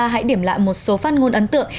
hãy điểm lại một số phát ngôn ấn tượng